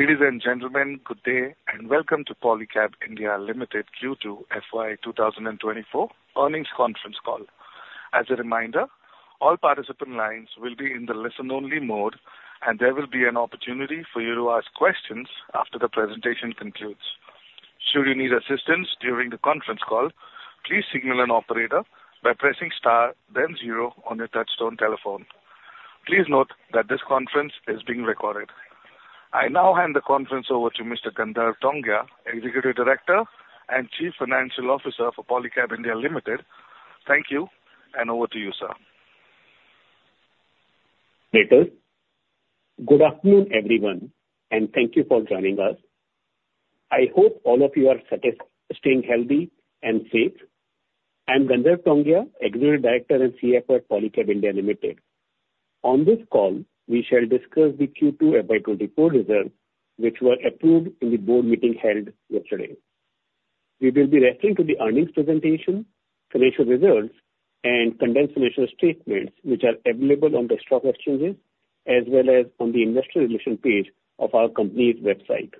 Ladies and gentlemen, good day, and welcome to Polycab India Limited Q2 FY 2024 earnings conference call. As a reminder, all participant lines will be in the listen-only mode, and there will be an opportunity for you to ask questions after the presentation concludes. Should you need assistance during the conference call, please signal an operator by pressing star then zero on your touchtone telephone. Please note that this conference is being recorded. I now hand the conference over to Mr. Gandharv Tongia, Executive Director and Chief Financial Officer for Polycab India Limited. Thank you, and over to you, sir. Good afternoon, everyone, and thank you for joining us. I hope all of you are staying healthy and safe. I'm Gandharv Tongia, Executive Director and CFO at Polycab India Limited. On this call, we shall discuss the Q2 FY 2024 results, which were approved in the board meeting held yesterday. We will be referring to the earnings presentation, financial results, and condensed financial statements, which are available on the stock exchanges as well as on the investor relation page of our company's website.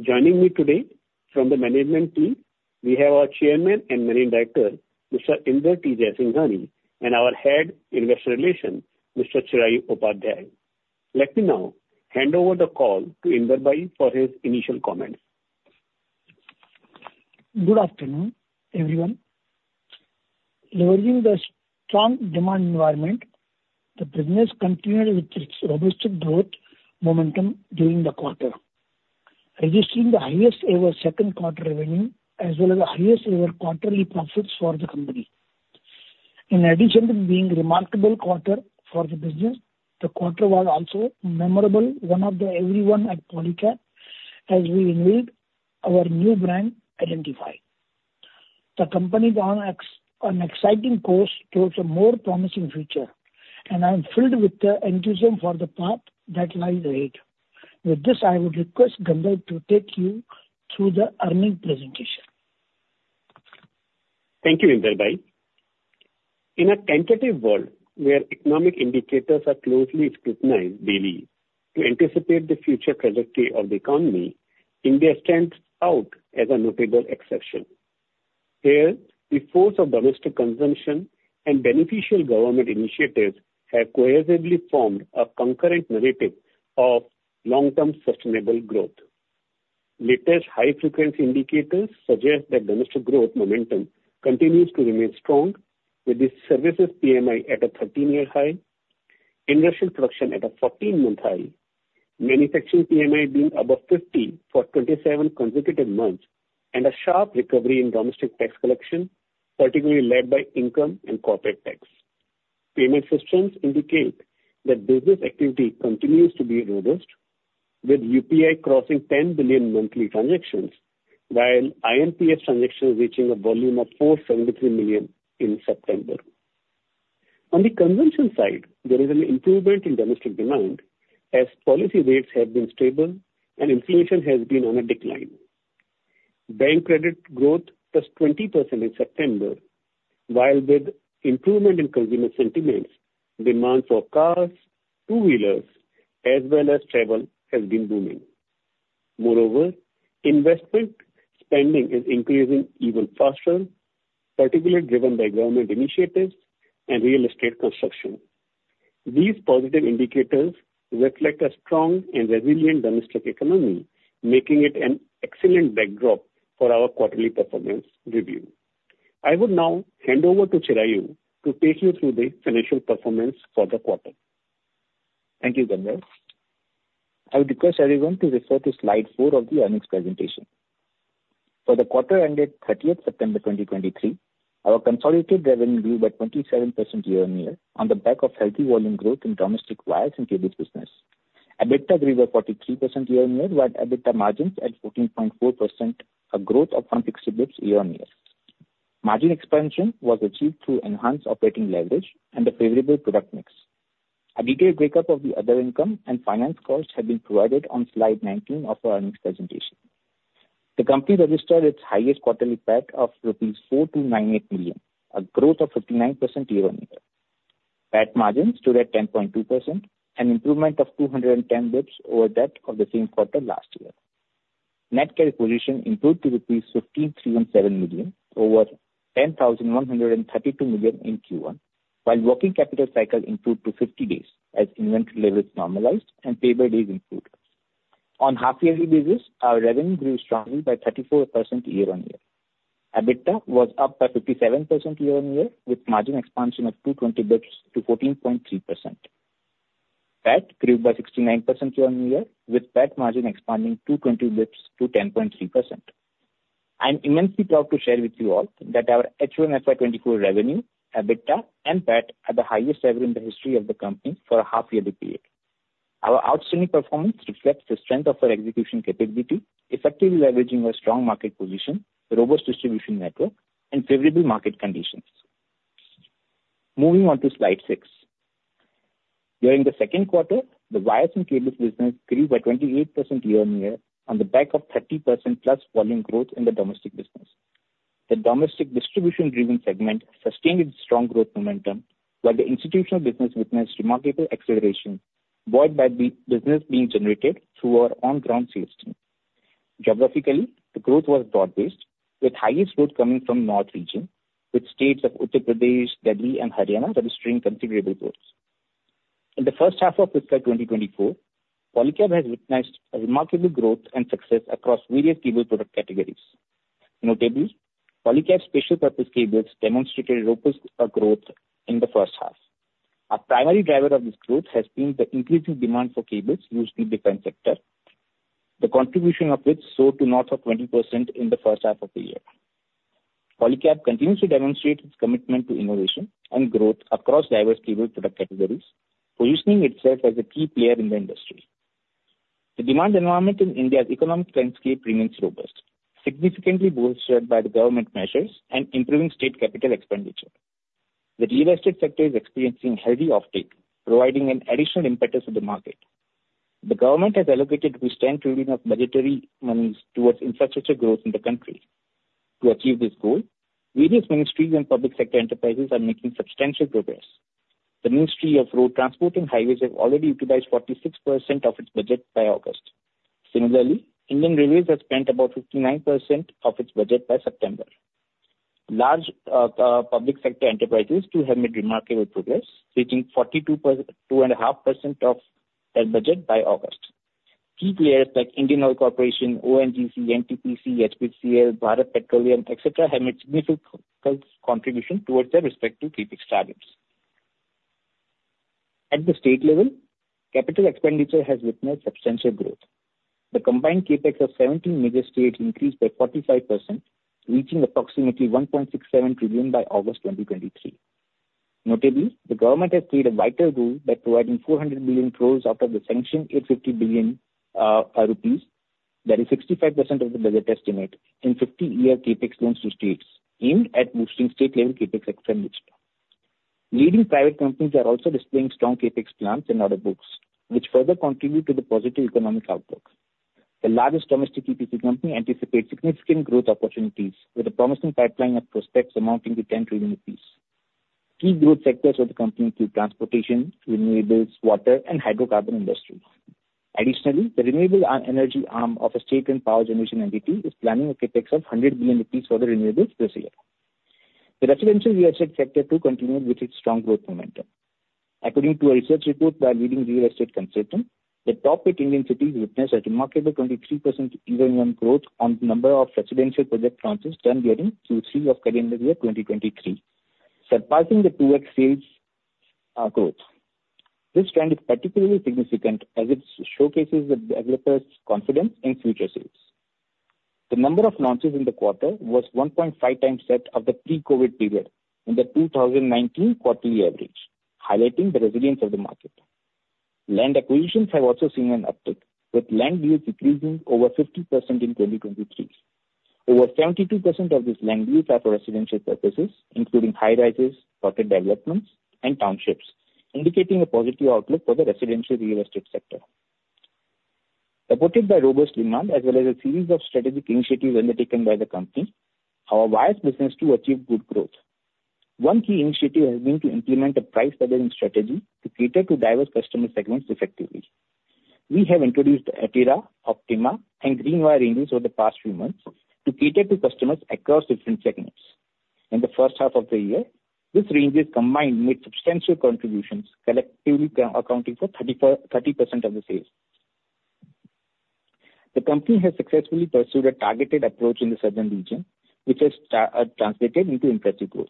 Joining me today from the management team, we have our Chairman and Managing Director, Mr. Inder T. Jaisinghani, and our Head, Investor Relations, Mr. Chirayu Upadhyaya. Let me now hand over the call to Inder bhai for his initial comments. Good afternoon, everyone. Leveraging the strong demand environment, the business continued with its robust growth momentum during the quarter, registering the highest ever second quarter revenue as well as the highest ever quarterly profits for the company. In addition to being a remarkable quarter for the business, the quarter was also a memorable one for everyone at Polycab, as we unveiled our new brand identity. The company is on an exciting course towards a more promising future, and I am filled with the enthusiasm for the path that lies ahead. With this, I would request Gandharv to take you through the earnings presentation. Thank you, Inder bhai. In a tentative world where economic indicators are closely scrutinized daily to anticipate the future trajectory of the economy, India stands out as a notable exception. Here, the force of domestic consumption and beneficial government initiatives have cohesively formed a concurrent narrative of long-term sustainable growth. Latest high-frequency indicators suggest that domestic growth momentum continues to remain strong, with the services PMI at a 13-year high, industrial production at a 14-month high, manufacturing PMI being above 50 for 27 consecutive months, and a sharp recovery in domestic tax collection, particularly led by income and corporate tax. Payment systems indicate that business activity continues to be robust, with UPI crossing 10 billion monthly transactions, while IMPS transactions reaching a volume of 473 million in September. On the consumption side, there is an improvement in domestic demand as policy rates have been stable and inflation has been on a decline. Bank credit growth plus 20% in September, while with improvement in consumer sentiments, demand for cars, two-wheelers, as well as travel, has been booming. Moreover, investment spending is increasing even faster, particularly driven by government initiatives and real estate construction. These positive indicators reflect a strong and resilient domestic economy, making it an excellent backdrop for our quarterly performance review. I would now hand over to Chirayu to take you through the financial performance for the quarter. Thank you, Gandharv. I would request everyone to refer to slide 4 of the earnings presentation. For the quarter ended 30th September 2023, our consolidated revenue grew by 27% year-on-year on the back of healthy volume growth in domestic wires and cables business. EBITDA grew by 43% year-on-year, while EBITDA margins at 14.4%, a growth of 160 basis points year-on-year. Margin expansion was achieved through enhanced operating leverage and a favorable product mix. A detailed breakup of the other income and finance costs have been provided on slide 19 of our earnings presentation. The company registered its highest quarterly PAT of rupees 498 million, a growth of 59% year-on-year. PAT margin stood at 10.2%, an improvement of 210 basis points over that of the same quarter last year. Net cash position improved to rupees 15,317 million, over 10,132 million in Q1, while working capital cycle improved to 50 days as inventory levels normalized and payable days improved. On half-yearly basis, our revenue grew strongly by 34% year-on-year. EBITDA was up by 57% year-on-year, with margin expansion of 220 basis points to 14.3%. PAT grew by 69% year-on-year, with PAT margin expanding 220 basis points to 10.3%. I'm immensely proud to share with you all that our H1 FY 2024 revenue, EBITDA, and PAT are the highest ever in the history of the company for a half yearly period. Our outstanding performance reflects the strength of our execution capability, effectively leveraging our strong market position, robust distribution network, and favorable market conditions. Moving on to slide 6. During the second quarter, the wires and cables business grew by 28% year-on-year on the back of 30%+ volume growth in the domestic business. The domestic distribution driven segment sustained its strong growth momentum, while the institutional business witnessed remarkable acceleration, buoyed by the business being generated through our on-ground sales team. Geographically, the growth was broad-based, with highest growth coming from north region, with states of Uttar Pradesh, Delhi, and Haryana registering considerable growth. In the first half of fiscal 2024, Polycab has witnessed a remarkable growth and success across various cable product categories. Notably, Polycab's special purpose cables demonstrated robust growth in the first half. A primary driver of this growth has been the increasing demand for cables used in defense sector, the contribution of which soared to north of 20% in the first half of the year. Polycab continues to demonstrate its commitment to innovation and growth across diverse cable product categories, positioning itself as a key player in the industry. The demand environment in India's economic landscape remains robust, significantly bolstered by the government measures and improving state capital expenditure. The real estate sector is experiencing healthy uptake, providing an additional impetus to the market. The government has allocated 30 trillion of budgetary monies towards infrastructure growth in the country. To achieve this goal, various ministries and public sector enterprises are making substantial progress. The Ministry of Road Transport and Highways have already utilized 46% of its budget by August. Similarly, Indian Railways has spent about 59% of its budget by September. Large, public sector enterprises, too, have made remarkable progress, reaching 42.25% of their budget by August. Key players like Indian Oil Corporation, ONGC, NTPC, HPCL, Bharat Petroleum, et cetera, have made significant contribution towards their respective CapEx targets. At the state level, capital expenditure has witnessed substantial growth. The combined CapEx of 17 major states increased by 45%, reaching approximately 1.67 trillion by August 2023. Notably, the government has played a vital role by providing 400 billion crores out of the sanctioned 850 billion rupees. That is 65% of the budget estimate in 50-year CapEx loans to states, aimed at boosting state-level CapEx expenditure. Leading private companies are also displaying strong CapEx plans in order books, which further contribute to the positive economic outlook. The largest domestic EPC company anticipates significant growth opportunities, with a promising pipeline of prospects amounting to 10 trillion rupees. Key growth sectors of the company include transportation, renewables, water, and hydrocarbon industries. Additionally, the renewable energy arm of a state-run power generation entity is planning a CapEx of 100 billion rupees for the renewables this year. The residential real estate sector, too, continued with its strong growth momentum. According to a research report by a leading real estate consultant, the top eight Indian cities witnessed a remarkable 23% year-on-year growth on number of residential project launches during Q3 of calendar year 2023, surpassing the 2X sales growth. This trend is particularly significant as it showcases the developers' confidence in future sales. The number of launches in the quarter was 1.5 times that of the pre-COVID period in the 2019 quarterly average, highlighting the resilience of the market. Land acquisitions have also seen an uptick, with land deals increasing over 50% in 2023. Over 72% of these land deals are for residential purposes, including high-rises, plotted developments and townships, indicating a positive outlook for the residential real estate sector. Supported by robust demand as well as a series of strategic initiatives undertaken by the company, our wires business too achieved good growth. One key initiative has been to implement a price-driven strategy to cater to diverse customer segments effectively. We have introduced Etira, Optima, and Green Wire ranges over the past few months to cater to customers across different segments. In the first half of the year, these ranges combined made substantial contributions, collectively accounting for 30% of the sales. The company has successfully pursued a targeted approach in the southern region, which has translated into impressive growth.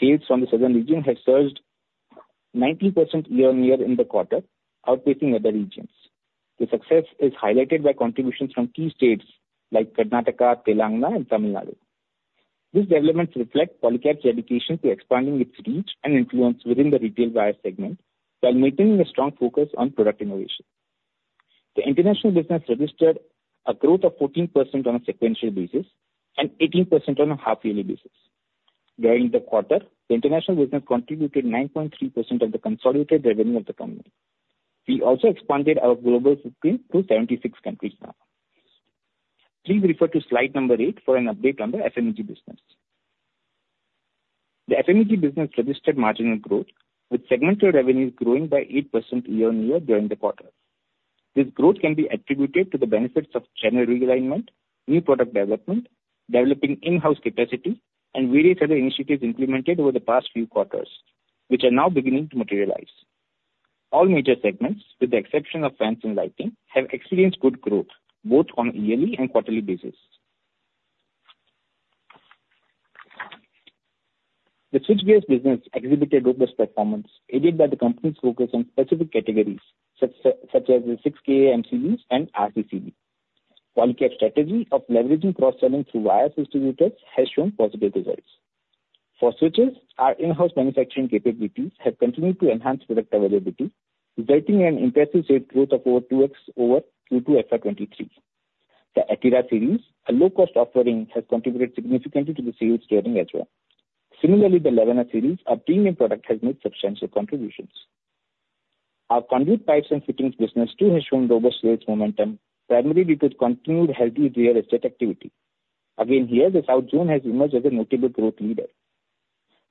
Sales from the southern region have surged 19% year-on-year in the quarter, outpacing other regions. The success is highlighted by contributions from key states like Karnataka, Telangana and Tamil Nadu. These developments reflect Polycab's dedication to expanding its reach and influence within the retail wire segment, while maintaining a strong focus on product innovation. The international business registered a growth of 14% on a sequential basis and 18% on a half-yearly basis. During the quarter, the international business contributed 9.3% of the consolidated revenue of the company. We also expanded our global footprint to 76 countries now. Please refer to slide number 8 for an update on the FMEG business. The FMEG business registered marginal growth, with segmental revenues growing by 8% year-on-year during the quarter. This growth can be attributed to the benefits of channel realignment, new product development, developing in-house capacity, and various other initiatives implemented over the past few quarters, which are now beginning to materialize. All major segments, with the exception of fans and lighting, have experienced good growth both on a yearly and quarterly basis. The switchgears business exhibited robust performance, aided by the company's focus on specific categories, such as the 6 kA MCBs and RCCB. Polycab's strategy of leveraging cross-selling through wire distributors has shown positive results. For switches, our in-house manufacturing capabilities have continued to enhance product availability, resulting in an impressive rate growth of over 2x over Q2 FY 2023. The Etira series, a low-cost offering, has contributed significantly to the sales during as well. Similarly, the Levana series, our premium product, has made substantial contributions. Our conduit pipes and fittings business too has shown robust sales momentum, primarily due to continued healthy real estate activity. Again, here, the South zone has emerged as a notable growth leader.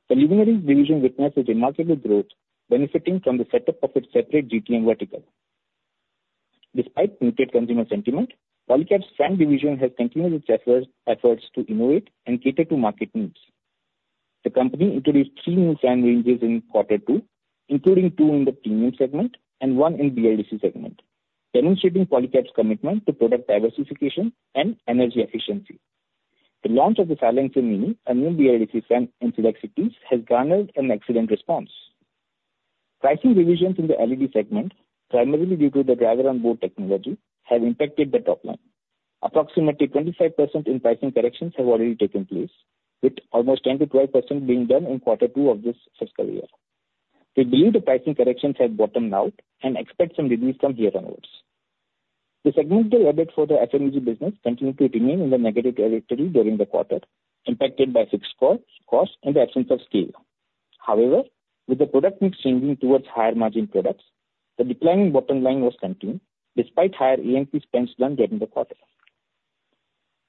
The luminaries division witnessed a remarkable growth, benefiting from the setup of its separate GTM vertical. Despite muted consumer sentiment, Polycab's fan division has continued its efforts to innovate and cater to market needs. The company introduced three new fan ranges in quarter two, including two in the premium segment and one in BLDC segment, demonstrating Polycab's commitment to product diversification and energy efficiency. The launch of the Silencio Mini, a new BLDC fan in select cities, has garnered an excellent response. Pricing revisions in the LED segment, primarily due to the Driver on Board technology, have impacted the top line. Approximately 25% in pricing corrections have already taken place, with almost 10%-12% being done in quarter two of this fiscal year. We believe the pricing corrections have bottomed out and expect some relief from here onwards. The segmental EBITDA for the FMEG business continued to remain in the negative territory during the quarter, impacted by fixed costs, costs and the absence of scale. However, with the product mix changing towards higher margin products, the declining bottom line was contained despite higher A&P spends done during the quarter.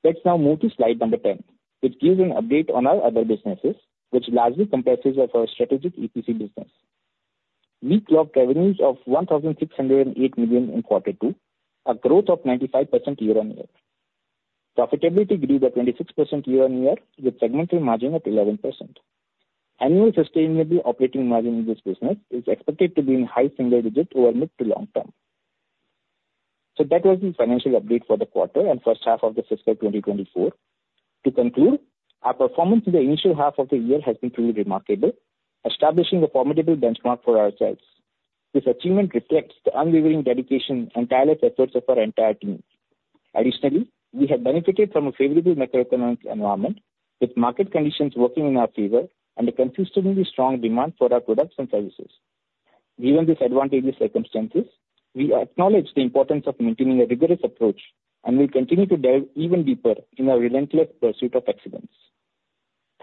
Let's now move to slide number 10, which gives an update on our other businesses, which largely comprises of our strategic EPC business. We clocked revenues of 1,608 million in quarter two, a growth of 95% year-on-year. Profitability grew by 26% year-on-year, with segmental margin at 11%. Annual sustainable operating margin in this business is expected to be in high single digits over mid to long term. So that was the financial update for the quarter and first half of the fiscal 2024. To conclude, our performance in the initial half of the year has been truly remarkable, establishing a formidable benchmark for ourselves. This achievement reflects the unwavering dedication and tireless efforts of our entire team. Additionally, we have benefited from a favorable macroeconomic environment, with market conditions working in our favor and a consistently strong demand for our products and services. Given these advantageous circumstances, we acknowledge the importance of maintaining a rigorous approach, and we continue to dive even deeper in our relentless pursuit of excellence.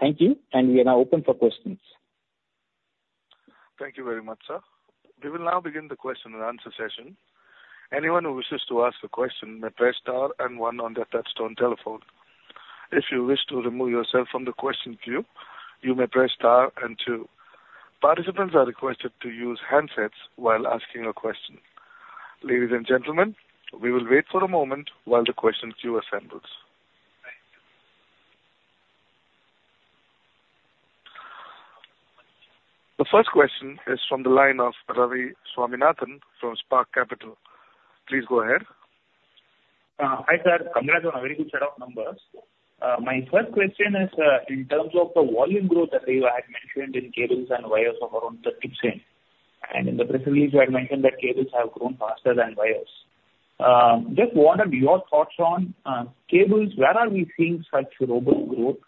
Thank you, and we are now open for questions. Thank you very much, sir. We will now begin the question and answer session. Anyone who wishes to ask a question may press star and one on their touchtone telephone. If you wish to remove yourself from the question queue, you may press star and two. Participants are requested to use handsets while asking a question. Ladies and gentlemen, we will wait for a moment while the question queue assembles. The first question is from the line of Ravi Swaminathan from Spark Capital. Please go ahead. Hi, sir. Congrats on a very good set of numbers. My first question is, in terms of the volume growth that you had mentioned in cables and wires of around 13, and in the press release, you had mentioned that cables have grown faster than wires. Just what are your thoughts on cables? Where are we seeing such robust growth?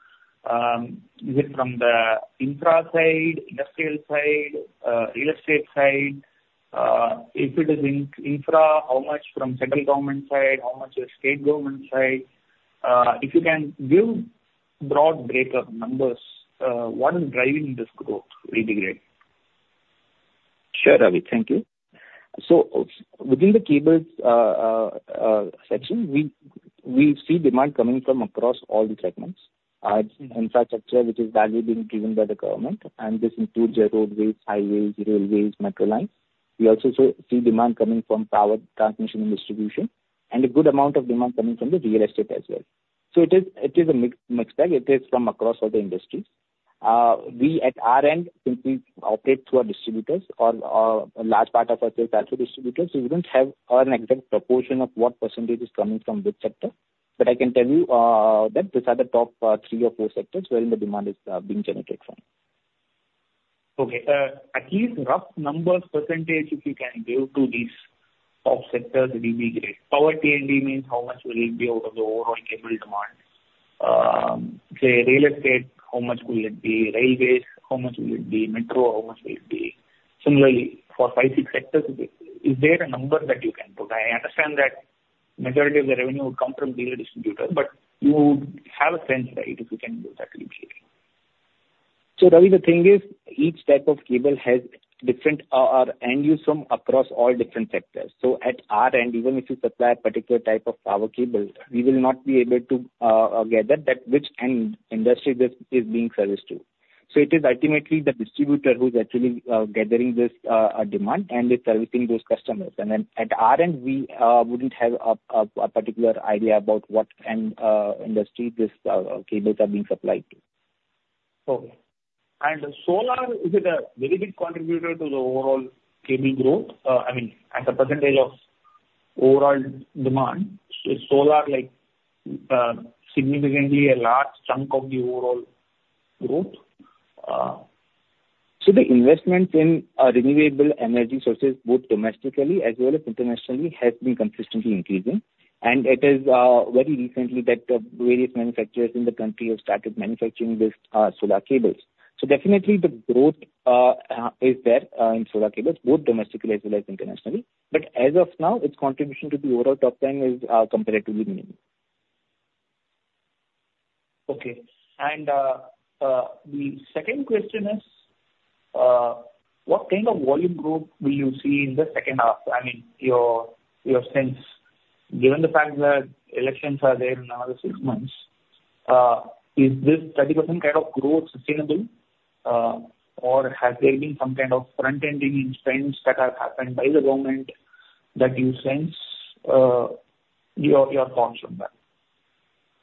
Is it from the infra side, industrial side, real estate side? If it is in infra, how much from central government side, how much is state government side? If you can give broad breakup numbers, what is driving this growth, it'd be great. Sure, Ravi. Thank you. So within the cables section, we see demand coming from across all the segments. Infrastructure, which is largely being driven by the government, and this includes your roadways, highways, railways, metro lines. We also see demand coming from power transmission and distribution, and a good amount of demand coming from the real estate as well. So it is a mixed bag. It is from across all the industries. We, at our end, since we operate through our distributors, a large part of our sales are through distributors, we wouldn't have an exact proportion of what percentage is coming from which sector. But I can tell you that these are the top three or four sectors wherein the demand is being generated from. Okay. At least rough numbers, percentage, if you can give to these top sectors, it'd be great. Power T&D means how much will it be out of the overall cable demand? Say, real estate, how much will it be? Railways, how much will it be? Metro, how much will it be? Similarly, for five, six sectors, is there a number that you can put? I understand that majority of the revenue would come from dealer distributors, but you would have a sense, right? If you can give that, it'd be great. So, Ravi, the thing is, each type of cable has different end users from across all different sectors. So at our end, even if we supply a particular type of power cable, we will not be able to gather that, which end industry this is being serviced to. So it is ultimately the distributor who's actually gathering this demand, and is servicing those customers. And then at our end, we wouldn't have a particular idea about what end industry these cables are being supplied to. Okay. And solar, is it a very big contributor to the overall cable growth? I mean, as a percentage of overall demand, so solar, like, significantly a large chunk of the overall growth? So the investments in renewable energy sources, both domestically as well as internationally, has been consistently increasing. And it is very recently that various manufacturers in the country have started manufacturing these solar cables. So definitely the growth is there in solar cables, both domestically as well as internationally. But as of now, its contribution to the overall top line is comparatively minimal. Okay. And, the second question is, what kind of volume growth will you see in the second half? I mean, your, your sense, given the fact that elections are there in another six months, is this 30% kind of growth sustainable, or has there been some kind of front-ending in spends that have happened by the government, that you sense, your, your thoughts on that?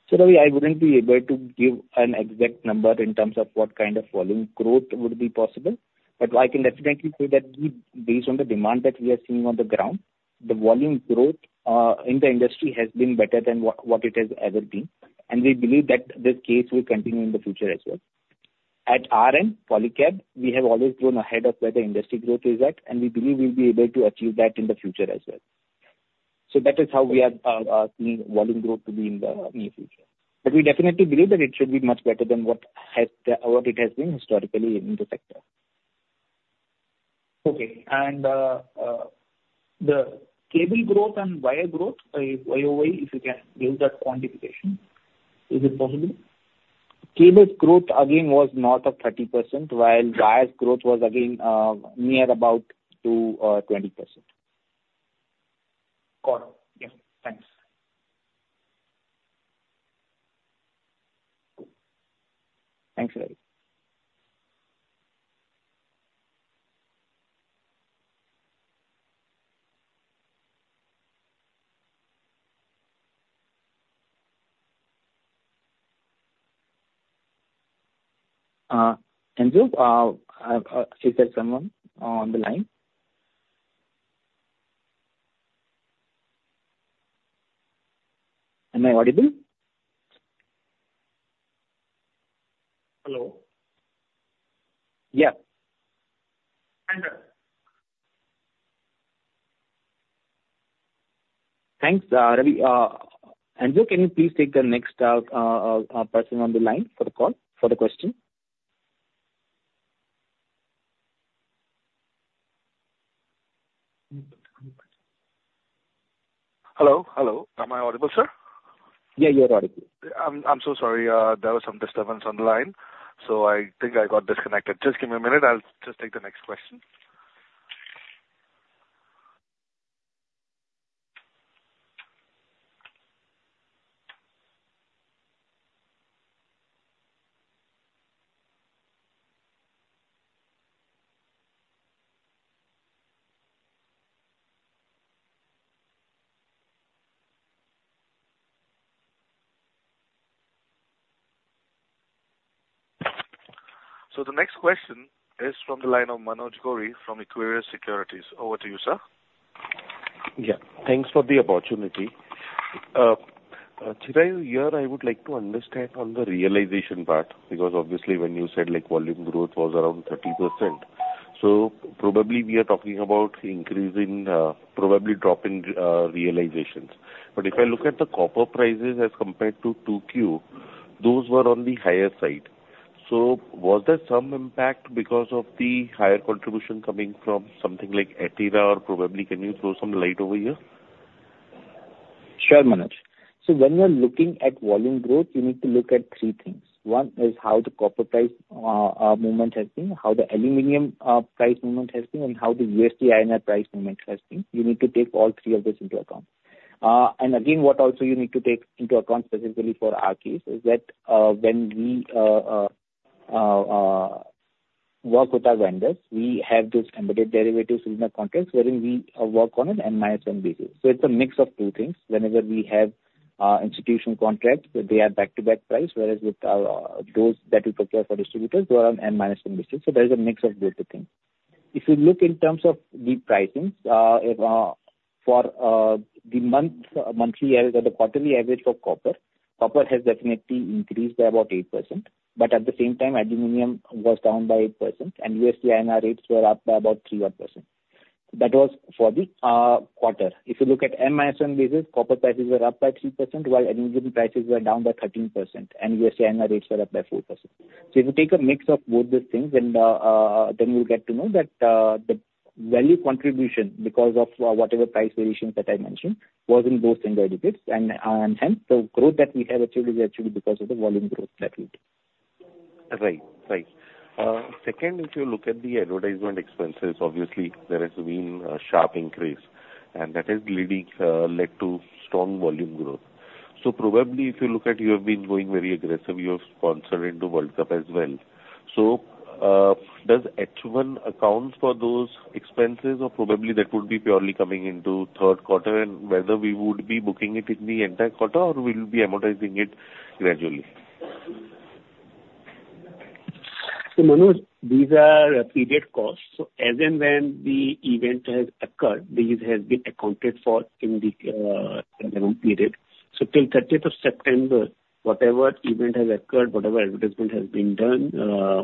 So I wouldn't be able to give an exact number in terms of what kind of volume growth would be possible, but I can definitely say that we, based on the demand that we are seeing on the ground, the volume growth in the industry has been better than what it has ever been. And we believe that this case will continue in the future as well. At our end, Polycab, we have always grown ahead of where the industry growth is at, and we believe we'll be able to achieve that in the future as well. So that is how we are seeing volume growth to be in the near future. But we definitely believe that it should be much better than what it has been historically in the sector. Okay. And the cable growth and wire growth, YoY, if you can give that quantification, is it possible? Cables' growth again was north of 30%, while wires' growth was again near about 20%. Got it. Yeah. Thanks. Thanks, Ravi. Andrew, I see there's someone on the line. Am I audible? Hello? Yeah. Andrew. Thanks, Ravi. Andrew, can you please take the next person on the line for the call, for the question? Hello, hello. Am I audible, sir? Yeah, you are audible. I'm so sorry, there was some disturbance on the line, so I think I got disconnected. Just give me a minute. I'll just take the next question. So the next question is from the line of Manoj Gori from Equirus Securities. Over to you, sir. Yeah. Thanks for the opportunity. Chirayu, here, I would like to understand on the realization part, because obviously when you said like volume growth was around 30%, so probably we are talking about increase in, probably drop in, realizations. But if I look at the copper prices as compared to 2Q, those were on the higher side. So was there some impact because of the higher contribution coming from something like Etira or probably can you throw some light over here? Sure, Manoj. So when you are looking at volume growth, you need to look at three things. One is how the copper price movement has been, how the aluminum price movement has been, and how the USD INR price movement has been. You need to take all three of these into account. And again, what also you need to take into account specifically for our case, is that, when we work with our vendors, we have this embedded derivative contract, wherein we work on an M-1 basis. So it's a mix of two things. Whenever we have institution contracts, they are back-to-back price, whereas with those that we procure for distributors, they are on M-1 basis, so there's a mix of both the things. If you look in terms of the pricings, if for the monthly average or the quarterly average for copper, copper has definitely increased by about 8%, but at the same time, aluminum was down by 8% and USD INR rates were up by about 3% odd. That was for the quarter. If you look at M-1 basis, copper prices were up by 3%, while aluminum prices were down by 13% and USD INR rates were up by 4%. So if you take a mix of both these things, then, then you'll get to know that the value contribution, because of whatever price variations that I mentioned, was in both ingredients, and, and hence, the growth that we have achieved is actually because of the volume growth that we took. Right. Right. Second, if you look at the advertisement expenses, obviously there has been a sharp increase, and that has really led to strong volume growth. So probably if you look at, you have been going very aggressive, you have sponsored into World Cup as well. So, does H1 account for those expenses? Or probably that would be purely coming into third quarter, and whether we would be booking it in the entire quarter or we'll be amortizing it gradually. So Manoj, these are period costs. So as and when the event has occurred, this has been accounted for in the period. So till thirtieth of September, whatever event has occurred, whatever advertisement has been done,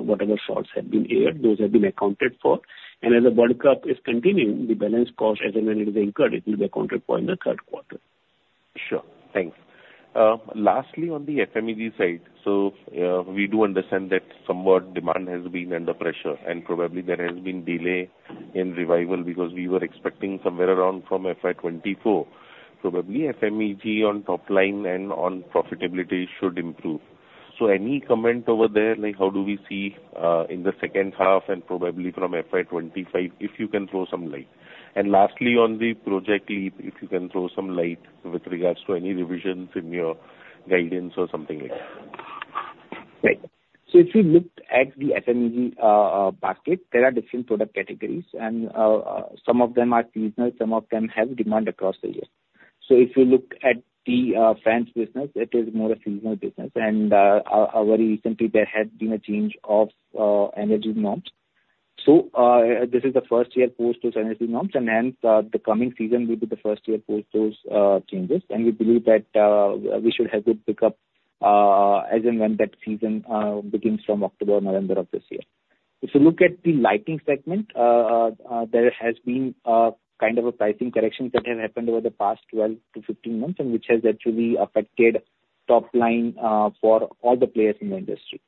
whatever slots have been aired, those have been accounted for. And as the World Cup is continuing, the balance cost, as and when it is incurred, it will be accounted for in the third quarter. Sure. Thanks. Lastly, on the FMEG side, so, we do understand that somewhat demand has been under pressure, and probably there has been delay in revival because we were expecting somewhere around from FY 2024. Probably FMEG on top line and on profitability should improve. So any comment over there, like how do we see in the second half and probably from FY 2025, if you can throw some light? And lastly, on the Project Leap, if you can throw some light with regards to any revisions in your guidance or something like that. Right. So if you looked at the FMEG, basket, there are different product categories, and, some of them are seasonal, some of them have demand across the year. So if you look at the, fans business, it is more a seasonal business. And, very recently, there had been a change of, energy norms. So, this is the first year post those energy norms, and hence, the coming season will be the first year post those, changes. And we believe that, we should have a good pick up, as and when that season, begins from October or November of this year. If you look at the lighting segment, there has been kind of a pricing corrections that have happened over the past 12-15 months, and which has actually affected top line for all the players in the industry.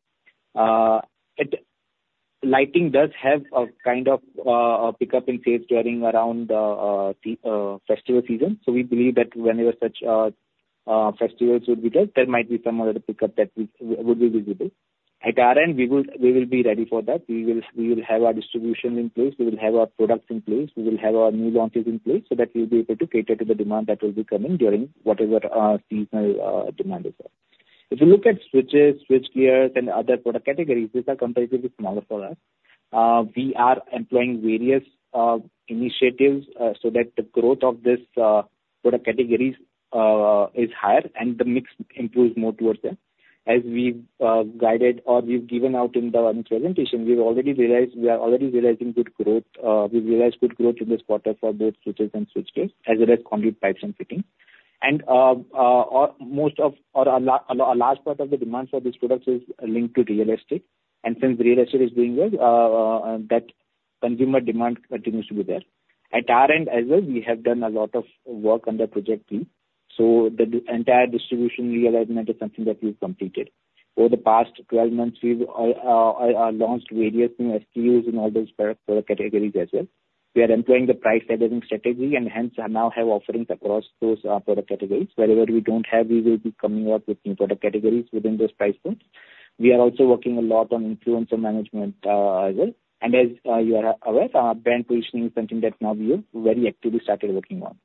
Lighting does have a kind of a pickup in sales during around festival season. So we believe that whenever such festivals would be there, there might be some other pickup that would be visible. At our end, we will be ready for that. We will have our distribution in place, we will have our products in place, we will have our new launches in place, so that we'll be able to cater to the demand that will be coming during whatever seasonal demand is there. If you look at switches, switchgear and other product categories, these are comparatively smaller for us. We are employing various initiatives so that the growth of this product categories is higher and the mix improves more towards them. As we've guided or we've given out in the earnings presentation, we've already realized, we are already realizing good growth. We've realized good growth in this quarter for both switches and switchgear, as well as conduit pipes and fittings. And, most of a large part of the demand for these products is linked to real estate. And since real estate is doing well, that consumer demand continues to be there. At our end as well, we have done a lot of work under Project Leap, so the entire distribution realignment is something that we've completed. Over the past 12 months, we've launched various new SKUs in all those product categories as well. We are employing the price laddering strategy and hence, now have offerings across those product categories. Wherever we don't have, we will be coming up with new product categories within those price points. We are also working a lot on influencer management as well. As you are aware, our brand positioning is something that now we have very actively started working on.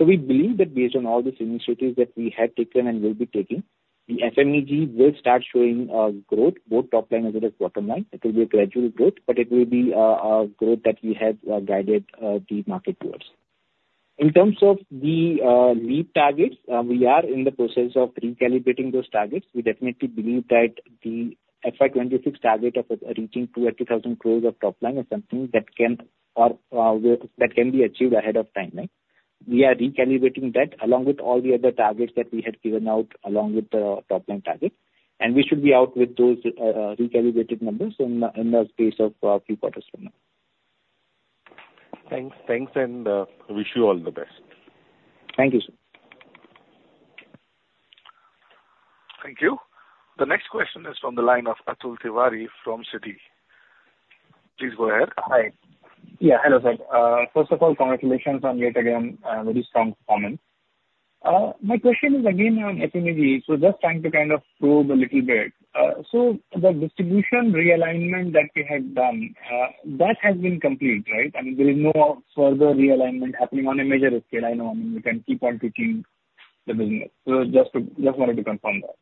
We believe that based on all these initiatives that we have taken and will be taking, the FMEG will start showing growth, both top line as well as bottom line. It will be a gradual growth, but it will be a growth that we have guided the market towards. In terms of the Leap targets, we are in the process of recalibrating those targets. We definitely believe that the FY 2026 target of reaching 2,000 crore-3,000 crore of top line is something that can be achieved ahead of timeline. We are recalibrating that along with all the other targets that we had given out, along with the top line target. And we should be out with those recalibrated numbers in the space of three quarters from now. Thanks. Thanks, and wish you all the best. Thank you, sir. Thank you. The next question is from the line of Atul Tiwari from Citi. Please go ahead. Hi. Yeah, hello, sir. First of all, congratulations on yet again, very strong comments. My question is again on FMEG, so just trying to kind of probe a little bit. So the distribution realignment that you had done, that has been complete, right? I mean, there is no further realignment happening on a major scale. I know, I mean, you can keep on tweaking the business. Just wanted to confirm that.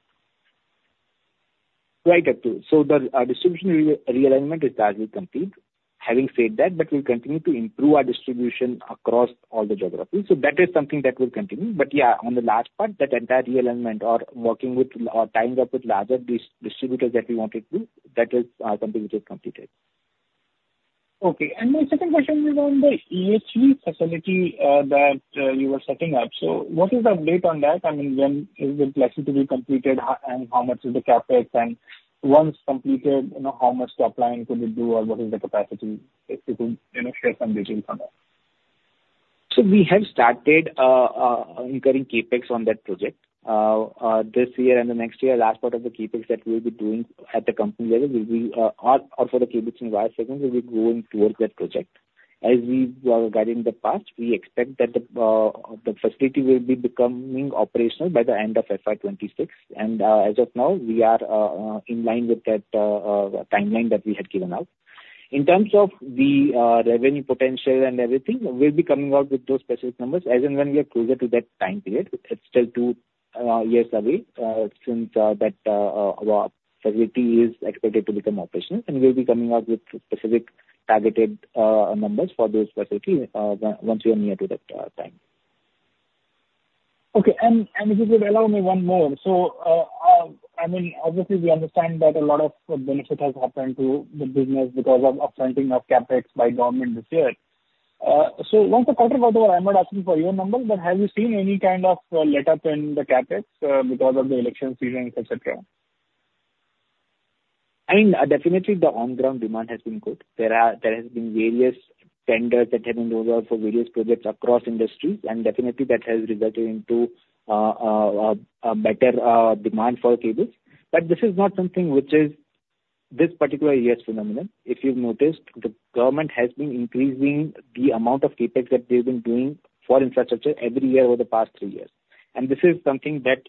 Right, Atul. So the distribution realignment is largely complete. Having said that, but we'll continue to improve our distribution across all the geographies. So that is something that will continue. But yeah, on the large part, that entire realignment or working with, or tying up with larger distributors that we wanted to, that is completely completed. Okay. And my second question is on the EHV facility, that you were setting up. So what is the update on that? I mean, when is it likely to be completed, and how much is the CapEx? And once completed, you know, how much top line could it do, or what is the capacity, if you could, you know, share some details on that. So we have started incurring CapEx on that project. This year and the next year, last part of the CapEx that we'll be doing at the company level will be, or for the cables and wires segment, we'll be going towards that project. As we were guiding in the past, we expect that the facility will be becoming operational by the end of FY 2026, and as of now, we are in line with that timeline that we had given out. In terms of the revenue potential and everything, we'll be coming out with those specific numbers as and when we are closer to that time period. It's still two years away, since that facility is expected to become operational, and we'll be coming out with specific targeted numbers for those facilities, once we are near to that time. Okay. And if you could allow me one more. So, I mean, obviously, we understand that a lot of benefit has happened to the business because of upfronting of CapEx by government this year. So once the quarter is over, I'm not asking for your numbers, but have you seen any kind of letup in the CapEx because of the election season, et cetera? I mean, definitely the on-ground demand has been good. There has been various tenders that have been rolled out for various projects across industries, and definitely that has resulted into a better demand for cables. But this is not something which is, this particular year's phenomenon, if you've noticed, the government has been increasing the amount of CapEx that they've been doing for infrastructure every year over the past three years. This is something that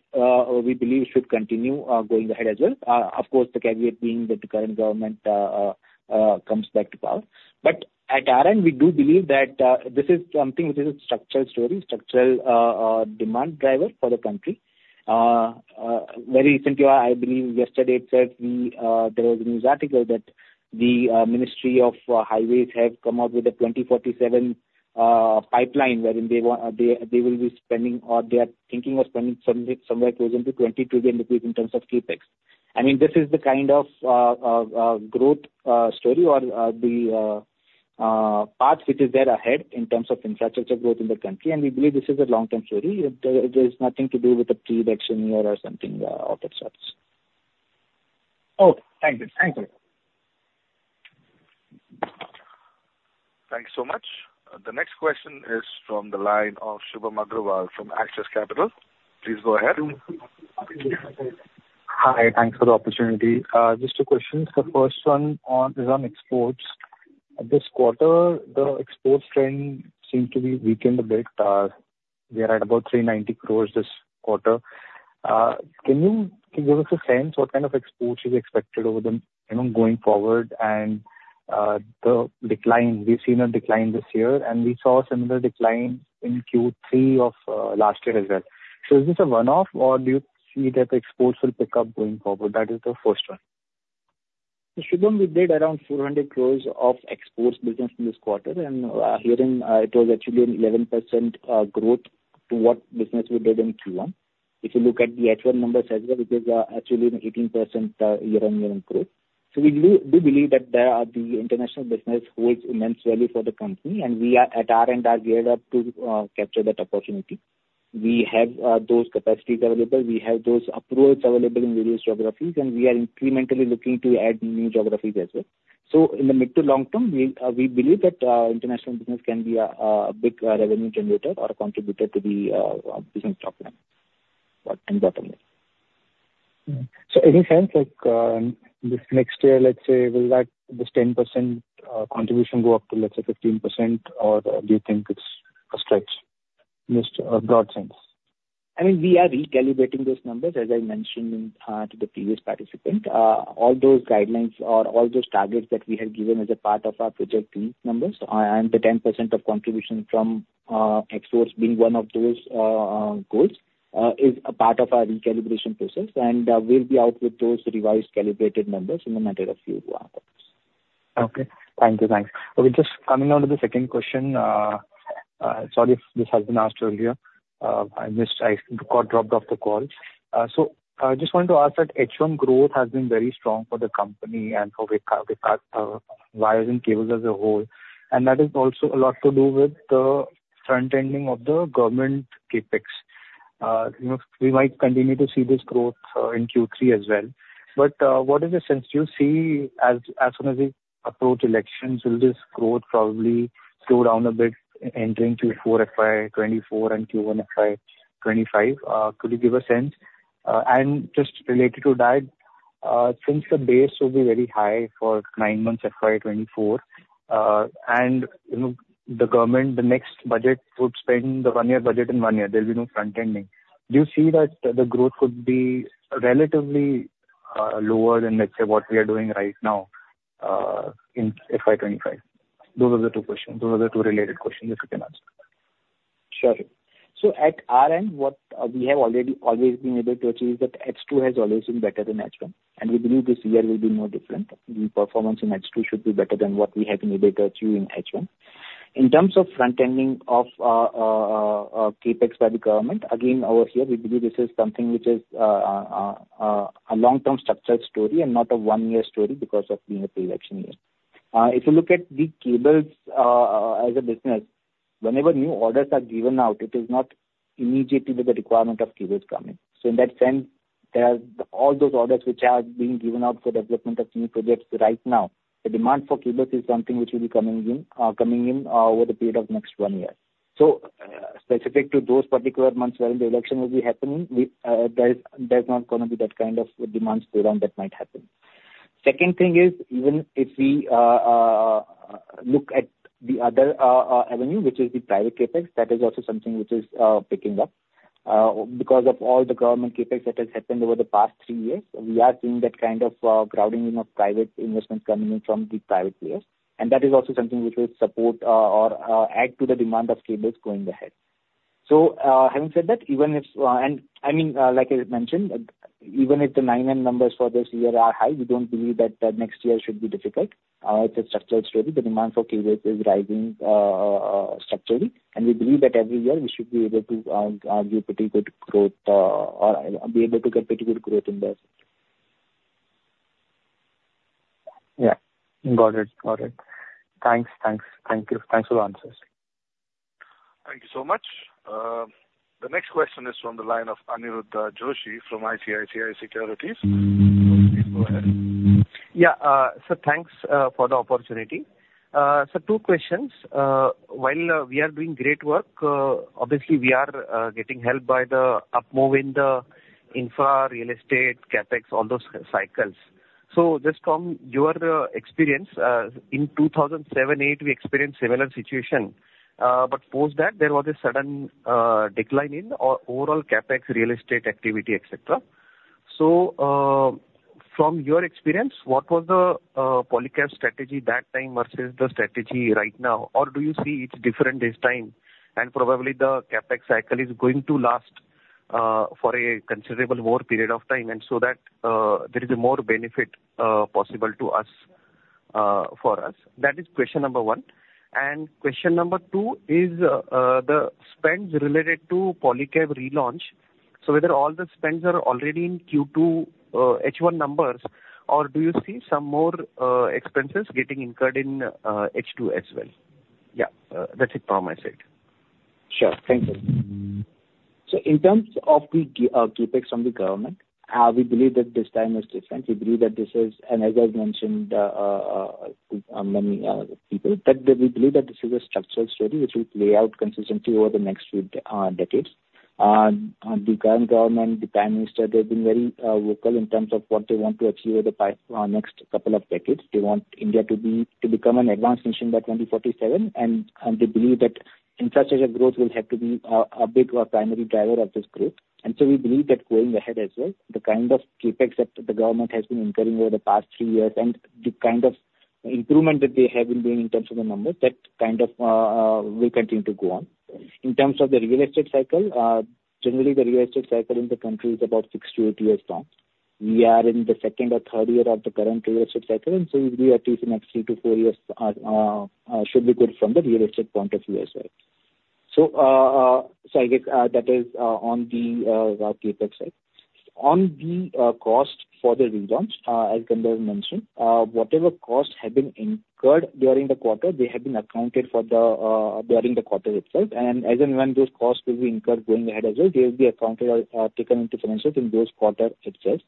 we believe should continue going ahead as well. Of course, the caveat being that the current government comes back to power. But then, we do believe that this is something which is a structural story, structural demand driver for the country. Very recently, I believe yesterday itself, we, there was a news article that the Ministry of Highways have come out with a 2047 pipeline, wherein they want—they will be spending or they are thinking of spending somewhere close to 20 trillion rupees in terms of CapEx. I mean, this is the kind of growth story or the path which is there ahead in terms of infrastructure growth in the country, and we believe this is a long-term story. There, there's nothing to do with the pre-election year or something of that sort. Okay, thank you. Thank you. Thanks so much. The next question is from the line of Shubham Agarwal from Axis Capital. Please go ahead. Hi, thanks for the opportunity. Just two questions. The first one on, is on exports. This quarter, the exports trend seemed to be weakened a bit. We are at about 390 crores this quarter. Can you give us a sense what kind of exports you expected over the, you know, going forward and, the decline, we've seen a decline this year, and we saw a similar decline in Q3 of, last year as well. So is this a one-off, or do you see that the exports will pick up going forward? That is the first one. So Shubham, we did around 400 crore of exports business in this quarter, and here in it was actually an 11% growth to what business we did in Q1. If you look at the H1 numbers as well, it is actually an 18% year-on-year growth. So we do believe that the international business holds immense value for the company, and we are geared up to capture that opportunity. We have those capacities available, we have those approvals available in various geographies, and we are incrementally looking to add new geographies as well. So in the mid to long term, we believe that international business can be a big revenue generator or a contributor to the business top line, but and bottom line. Any sense, like, this next year, let's say, will that, this 10% contribution go up to, let's say, 15%, or do you think it's a stretch? Just a broad sense. I mean, we are recalibrating those numbers, as I mentioned, to the previous participant. All those guidelines or all those targets that we had given as a part of our Project Leap numbers, and the 10% of contribution from exports being one of those goals, is a part of our recalibration process. And, we'll be out with those revised, calibrated numbers in a matter of few quarters. Okay. Thank you. Thanks. Okay, just coming on to the second question. Sorry if this has been asked earlier, I missed, I got dropped off the call. So I just wanted to ask that H1 growth has been very strong for the company and for wires and cables as a whole, and that is also a lot to do with the front-ending of the government CapEx. You know, we might continue to see this growth in Q3 as well. But, what is the sense you see as, as soon as we approach elections, will this growth probably slow down a bit entering Q4 FY 2024 and Q1 FY 2025? Could you give a sense? And just related to that, since the base will be very high for nine months, FY 2024, and, you know, the government, the next budget would spend the one-year budget in one year, there'll be no front-ending. Do you see that the growth would be relatively lower than, let's say, what we are doing right now, in FY 2025? Those are the two questions. Those are the two related questions, if you can answer. Sure. So at our end, we have already always been able to achieve is that H2 has always been better than H1, and we believe this year will be no different. The performance in H2 should be better than what we have been able to achieve in H1. In terms of front-ending of CapEx by the government, again, over here, we believe this is something which is a long-term structural story and not a one-year story because of being a pre-election year. If you look at the cables, as a business, whenever new orders are given out, it is not immediately that the requirement of cables coming. So in that sense, there are all those orders which are being given out for development of new projects right now. The demand for cables is something which will be coming in over the period of next one year. So, specific to those particular months wherein the election will be happening, we, there is, there's not gonna be that kind of demand slowdown that might happen. Second thing is, even if we look at the other avenue, which is the private CapEx, that is also something which is picking up because of all the government CapEx that has happened over the past three years. We are seeing that kind of crowding in of private investment coming in from the private players, and that is also something which will support or add to the demand of cables going ahead. Having said that, even if, and I mean, like I mentioned, even if the 9, 9 numbers for this year are high, we don't believe that the next year should be difficult. It's a structural story. The demand for cables is rising, structurally, and we believe that every year we should be able to give pretty good growth, or be able to get pretty good growth in that. Yeah. Got it. Got it. Thanks. Thanks. Thank you. Thanks for the answers. Thank you so much. The next question is from the line of Aniruddha Joshi from ICICI Securities. Please go ahead. Yeah, so thanks for the opportunity. So two questions. While we are doing great work, obviously, we are getting helped by the up move in the infra, real estate, CapEx, all those cycles. So just from your experience, in 2007, 2008, we experienced similar situation, but post that there was a sudden decline in overall CapEx, real estate activity, et cetera. So from your experience, what was the Polycab strategy that time versus the strategy right now? Or do you see it's different this time, and probably the CapEx cycle is going to last for a considerable more period of time, and so that there is a more benefit possible to us, for us? That is question number one. And question number two is the spends related to Polycab relaunch. So whether all the spends are already in Q2, H1 numbers, or do you see some more expenses getting incurred in H2 as well? Yeah, that's it from my side. Sure. Thank you. So in terms of the government CapEx from the government, we believe that this time is different. We believe that this is—and as I've mentioned, many people, that we believe that this is a structural study, which will play out consistently over the next few decades. The current government, the Prime Minister, they've been very vocal in terms of what they want to achieve over the next couple of decades. They want India to be- to become an advanced nation by 2047, and, and they believe that infrastructure growth will have to be a big or primary driver of this growth. And so we believe that going ahead as well, the kind of CapEx that the government has been incurring over the past three years, and the kind of improvement that they have been doing in terms of the numbers, that kind of, will continue to go on. In terms of the real estate cycle, generally, the real estate cycle in the country is about six-to-eight years long. We are in the second or third year of the current real estate cycle, and so we believe at least the next three-to-four years, should be good from the real estate point of view as well. So, so I guess, that is, on the, CapEx side. On the cost for the relaunch, as Gandharv mentioned, whatever costs have been incurred during the quarter, they have been accounted for during the quarter itself. As and when those costs will be incurred going ahead as well, they will be accounted or taken into financials in those quarter itself.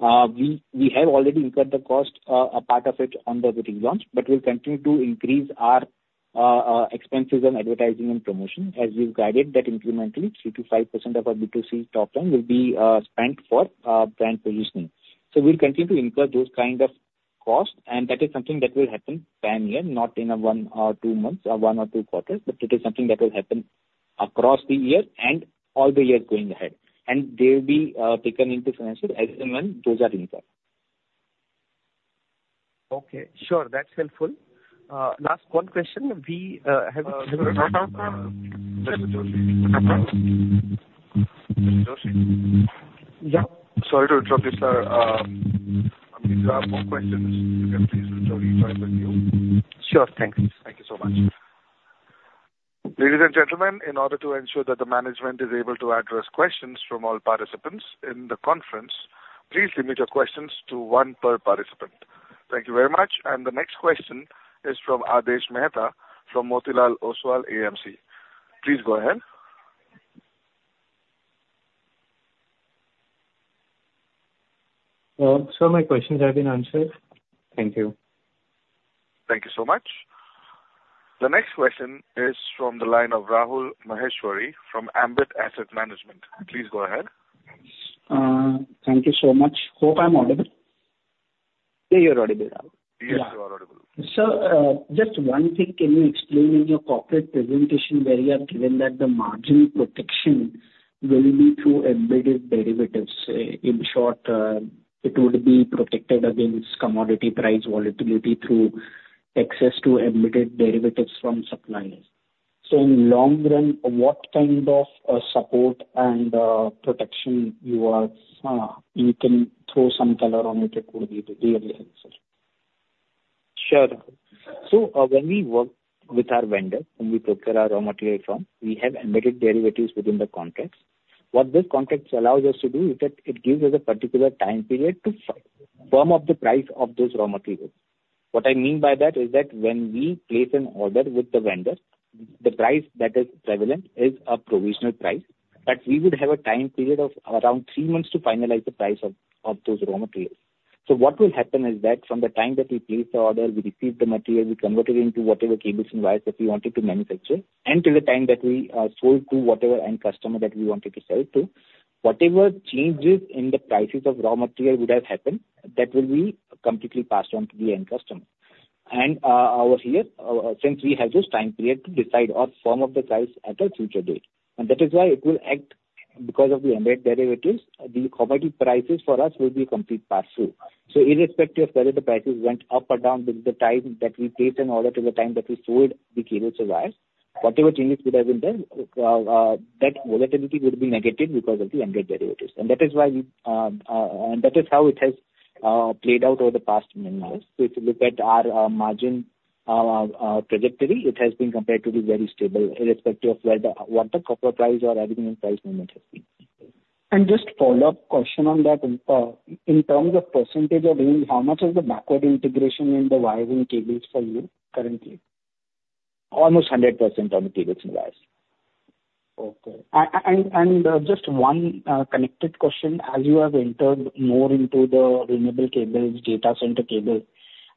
We have already incurred the cost, a part of it on the recent launch, but we'll continue to increase our expenses on advertising and promotion, as we've guided that incrementally 3%-5% of our B2C top line will be spent for brand positioning. So we'll continue to incur those kind of costs, and that is something that will happen pan year, not in a one or two months or one or two quarters, but it is something that will happen across the year and all the years going ahead. And they will be taken into financials as and when those are incurred. Okay, sure. That's helpful. Last one question, we have- Yeah. Sorry to interrupt you, sir. If you have more questions, you can please reach out to you. Sure. Thank you. Thank you so much. Ladies and gentlemen, in order to ensure that the management is able to address questions from all participants in the conference, please limit your questions to one per participant. Thank you very much. The next question is from Aadesh Mehta, from Motilal Oswal AMC. Please go ahead. Sir, my questions have been answered. Thank you. Thank you so much. The next question is from the line of Rahul Maheshwari from Ambit Asset Management. Please go ahead. Thank you so much. Hope I'm audible? Yeah, you're audible, Rahul. Yes, you are audible. Sir, just one thing, can you explain in your corporate presentation where you have given that the margin protection will be through embedded derivatives? In short, it would be protected against commodity price volatility through access to embedded derivatives from suppliers. So in long run, what kind of support and protection you are, you can throw some color on it, it would be really helpful? Sure. So, when we work with our vendor, whom we procure our raw material from, we have embedded derivatives within the contracts. What this contracts allows us to do is that it gives us a particular time period to firm up the price of those raw materials. What I mean by that is that when we place an order with the vendor, the price that is prevalent is a provisional price, but we would have a time period of around three months to finalize the price of those raw materials. So what will happen is that from the time that we place the order, we receive the material, we convert it into whatever cables and wires that we wanted to manufacture, and till the time that we sold to whatever end customer that we wanted to sell it to, whatever changes in the prices of raw material would have happened, that will be completely passed on to the end customer. And, over here, since we have this time period to decide or firm up the price at a future date. And that is why it will act, because of the embedded derivatives, the commodity prices for us will be complete pass-through. So irrespective of whether the prices went up or down during the time that we placed an order to the time that we sold the cables or wires, whatever changes would have been there, that volatility would be negative because of the embedded derivatives. And that is why we, and that is how it has played out over the past many months. So if you look at our margin trajectory, it has been comparatively very stable, irrespective of whether what the copper price or aluminum price movement has been. Just a follow-up question on that. In terms of percentage of revenue, how much is the backward integration in the wiring cables for you currently? Almost 100% on the cables and wires. Okay. And just one connected question: As you have entered more into the renewable cables, data center cable,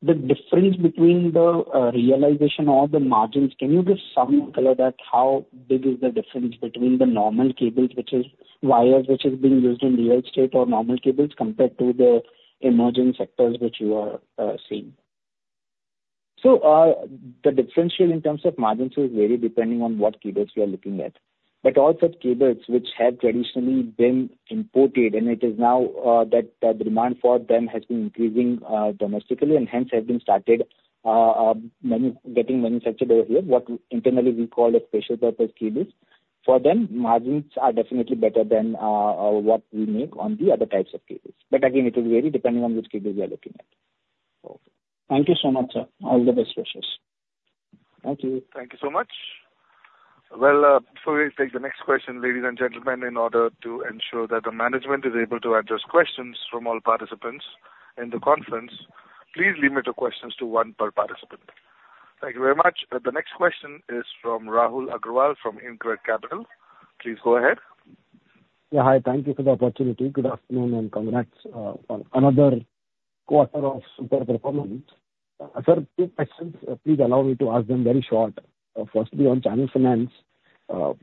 the difference between the realization or the margins, can you give some color that how big is the difference between the normal cables, which is wires which is being used in real estate or normal cables, compared to the emerging sectors which you are seeing? So, the differential in terms of margins will vary depending on what cables we are looking at. But all such cables which have traditionally been imported, and it is now that the demand for them has been increasing domestically, and hence have been started getting manufactured over here, what internally we call as special purpose cables. For them, margins are definitely better than what we make on the other types of cables. But again, it will vary depending on which cables you are looking at. Okay. Thank you so much, sir. All the best wishes. Thank you. Thank you so much. Well, before we take the next question, ladies and gentlemen, in order to ensure that the management is able to address questions from all participants in the conference, please limit your questions to one per participant. Thank you very much. The next question is from Rahul Agarwal from InCred Capital. Please go ahead. Yeah, hi. Thank you for the opportunity. Good afternoon, and congrats on another quarter of super performance. Sir, two questions. Please allow me to ask them very short. Firstly, on channel finance,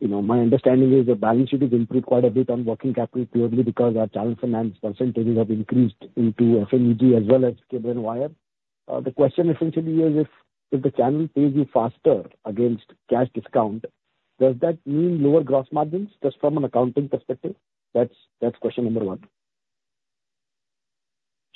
you know, my understanding is the balance sheet is improved quite a bit on working capital, clearly because our channel finance percentages have increased into FMEG as well as cable and wire. The question essentially is if the channel pays you faster against cash discount, does that mean lower gross margins, just from an accounting perspective? That's question number one.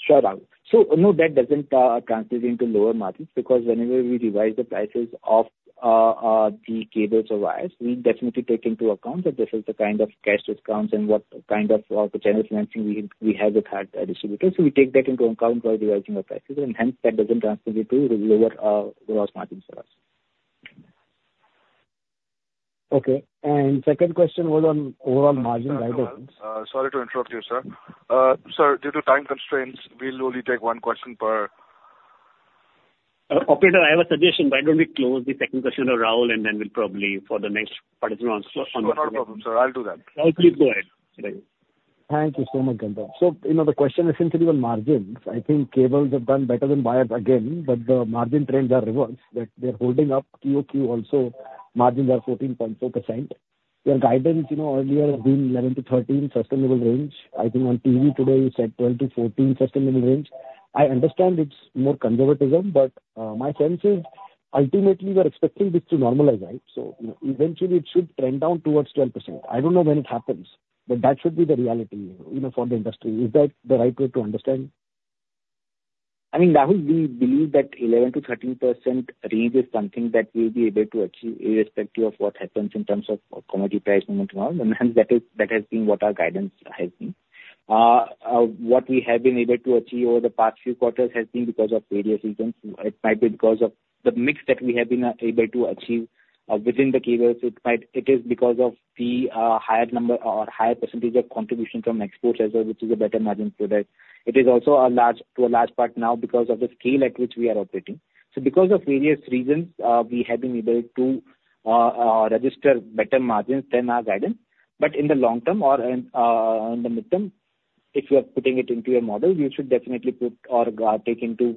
Sure, Rahul. So, no, that doesn't translate into lower margins, because whenever we revise the prices of the cables or wires, we definitely take into account that this is the kind of cash discounts and what kind of the channel financing we have with our distributors. So we take that into account while revising the prices, and hence, that doesn't translate into lower gross margins for us. Okay. And second question was on overall margin guidance. Sorry to interrupt you, sir. Sir, due to time constraints, we'll only take one question per- Operator, I have a suggestion. Why don't we close the second question of Rahul, and then we'll probably for the next participant on- Sure, no problem, sir. I'll do that. Rahul, please go ahead. Thank you so much, Gandharv. So, you know, the question essentially on margins, I think cables have done better than wires again, but the margin trends are reversed, that they're holding up QoQ also, margins are 14.4%. Your guidance, you know, earlier had been 11%-13% sustainable range. I think on TV today, you said 12%-14% sustainable range. I understand it's more conservatism, but, my sense is ultimately we are expecting this to normalize, right? So eventually it should trend down towards 10%. I don't know when it happens, but that should be the reality, you know, for the industry. Is that the right way to understand? I mean, Rahul, we believe that 11%-13% range is something that we'll be able to achieve, irrespective of what happens in terms of commodity price movement tomorrow, and then that is, that has been what our guidance has been. What we have been able to achieve over the past few quarters has been because of various reasons. It might be because of the mix that we have been able to achieve within the cables. It might—it is because of the higher number or higher percentage of contribution from exports as well, which is a better margin product. It is also a large, to a large part now because of the scale at which we are operating. So because of various reasons, we have been able to register better margins than our guidance. In the long term or in the midterm, if you are putting it into your model, you should definitely put or take into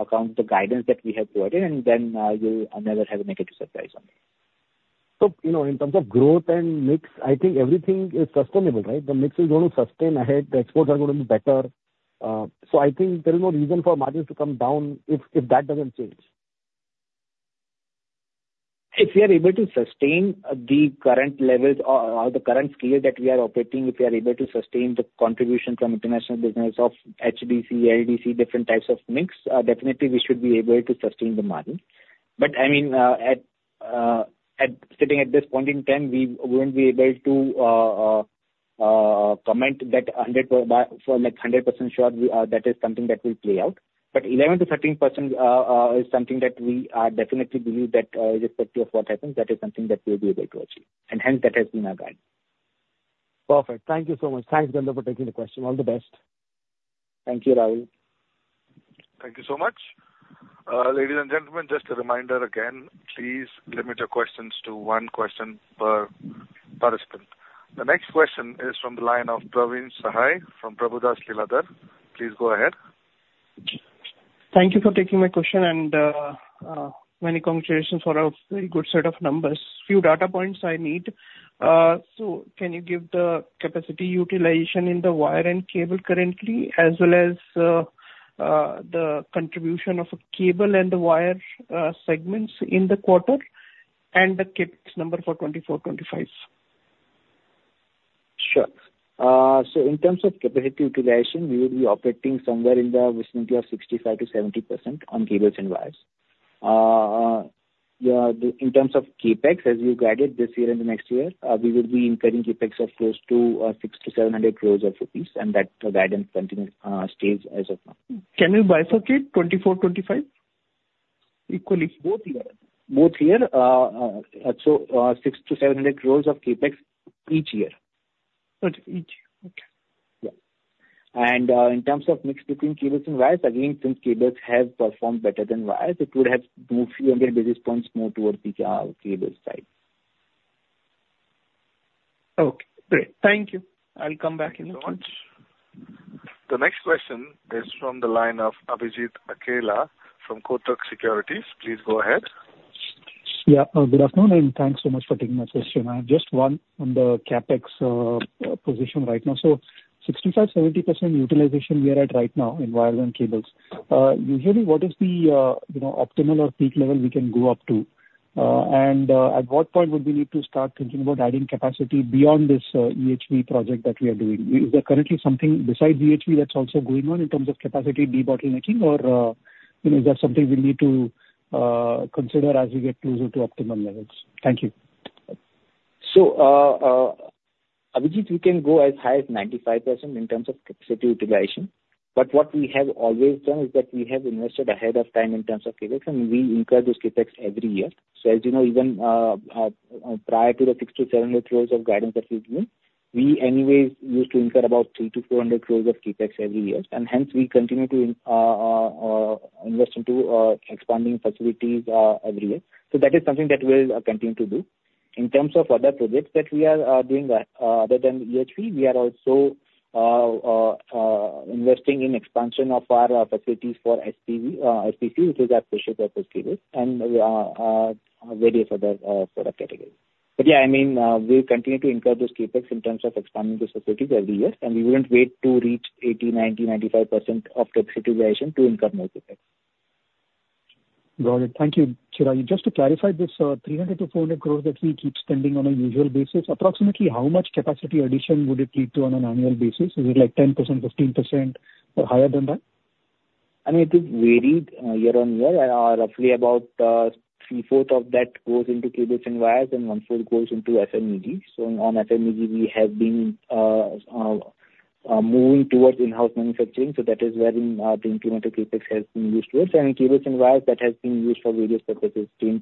account the guidance that we have provided, and then you'll another have a negative surprise on it. You know, in terms of growth and mix, I think everything is sustainable, right? The mix is going to sustain ahead. The exports are going to be better. I think there is no reason for margins to come down if that doesn't change. If we are able to sustain the current levels or the current scale that we are operating, if we are able to sustain the contribution from international business of HDC, LDC, different types of mix, definitely we should be able to sustain the margin. But I mean, at sitting at this point in time, we wouldn't be able to comment that hundred per from a 100% sure we are, that is something that will play out. But 11%-13% is something that we definitely believe that, irrespective of what happens, that is something that we'll be able to achieve, and hence that has been our guide. Perfect. Thank you so much. Thanks, Gandharv, for taking the question. All the best. Thank you, Rahul. Thank you so much. Ladies and gentlemen, just a reminder again, please limit your questions to one question per participant. The next question is from the line of Praveen Sahay from Prabhudas Lilladher. Please go ahead. Thank you for taking my question, and, many congratulations for a very good set of numbers. Few data points I need. So can you give the capacity utilization in the wire and cable currently, as well as, the contribution of cable and the wire, segments in the quarter, and the CapEx number for 2024-25? Sure. So in terms of capacity utilization, we will be operating somewhere in the vicinity of 65%-70% on cables and wires. Yeah, in terms of CapEx, as we guided this year and the next year, we will be incurring CapEx of close to six to seven hundred crores of rupees, and that guidance continue, stays as of now. Can you bifurcate 2024, 2025? Equally, both year. Both years, so, 600 crores-700 crores of CapEx each year. Got you. Each year. Okay. Yeah. And, in terms of mix between cables and wires, again, since cables have performed better than wires, it would have few hundred basis points more towards the cables side. Okay, great. Thank you. I'll come back in a moment. Thank you so much. The next question is from the line of Abhijit Akella from Kotak Securities. Please go ahead. Yeah. Good afternoon, and thanks so much for taking my question. I have just one on the CapEx position right now. So 65%-70% utilization we are at right now in wire and cables. Usually, what is the, you know, optimal or peak level we can go up to? And, at what point would we need to start thinking about adding capacity beyond this, EHV project that we are doing? Is there currently something besides EHV that's also going on in terms of capacity bottlenecking, or, you know, is that something we need to consider as we get closer to optimal levels? Thank you. So, Abhijit, we can go as high as 95% in terms of capacity utilization. But what we have always done is that we have invested ahead of time in terms of CapEx, and we incur those CapEx every year. So as you know, even prior to the 600-700 crore of guidance that we gave, we anyways used to incur about 300-400 crore of CapEx every year, and hence we continue to invest into expanding facilities every year. So that is something that we'll continue to do. In terms of other projects that we are doing other than EHV, we are also investing in expansion of our facilities for SPV, SPC, which is our special purpose cables, and various other product categories. Yeah, I mean, we'll continue to incur those CapEx in terms of expanding the facilities every year, and we wouldn't wait to reach 80, 90, 95% of capacity utilization to incur more CapEx. Got it. Thank you, Chirayu. Just to clarify, this 300 crore-400 crore that we keep spending on a usual basis, approximately how much capacity addition would it lead to on an annual basis? Is it like 10%, 15%, or higher than that? I mean, it is varied year-on-year. Roughly about three-fourths of that goes into cables and wires, and one-fourth goes into FMEG. So on FMEG, we have been moving towards in-house manufacturing, so that is wherein the incremental CapEx has been used towards. And cables and wires, that has been used for various purposes, to